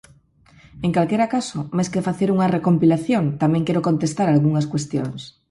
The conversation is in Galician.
En calquera caso, máis que facer unha recompilación, tamén quero contestar a algunhas cuestións.